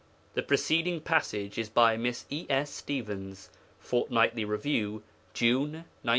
"' The preceding passage is by Miss E. S. Stevens (Fortnightly Review, June 1911).